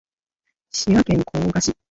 滋賀県甲賀市